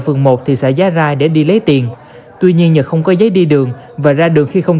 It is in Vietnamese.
phường một thị xã giá rai để đi lấy tiền tuy nhiên nhật không có giấy đi đường và ra đường khi không